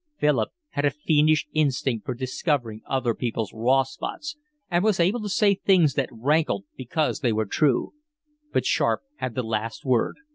Philip had a fiendish instinct for discovering other people's raw spots, and was able to say things that rankled because they were true. But Sharp had the last word.